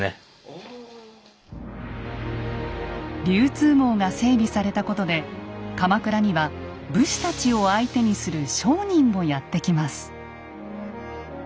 流通網が整備されたことで鎌倉には武士たちを相手にする商人もやって来ます。